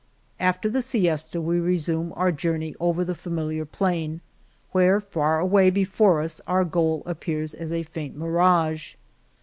After the siesta we resume our journey over the familiar plain, where, far away be fore us, our goal appears as a faint mirage.